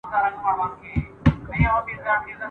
و کارګرو او کروندګرو ته د خپلو حقوقو